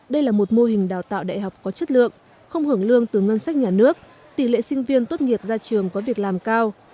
đây là một mô hình đào tạo đại học có chất lượng không hưởng lương từ ngân sách nhà nước tỷ lệ sinh viên tốt nghiệp ra trường có việc làm cao